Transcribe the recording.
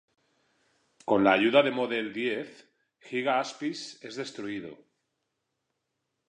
Con la ayuda de Model X, Giga Aspis es destruido.